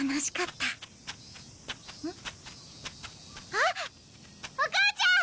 あっお母ちゃん！